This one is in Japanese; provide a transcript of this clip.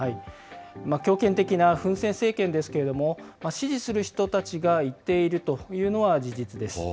強権的なフン・セン政権ですけれども、支持する人たちが一定いるというのは事実です。